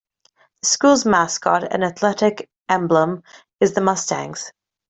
The school's mascot and athletic emblem is the Mustangs.